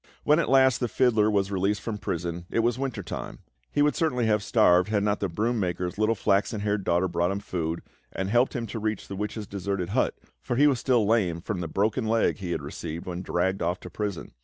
When at last the fiddler was released from prison, it was winter time; and he would certainly have starved had not the broom maker's little flaxen haired daughter brought him food, and helped him to reach the witch's deserted hut, for he was still lame from the broken leg he had received when dragged off to prison.